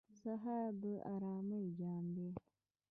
سهار د آرامۍ جام دی.